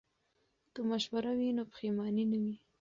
که مشوره وي نو پښیمانی نه وي.